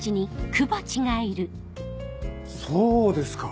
そうですか。